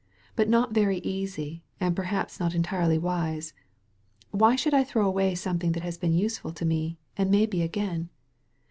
iBut not very easy and perhaps not entirely wise. Why should I throw away something that has been useful to me, and may be again?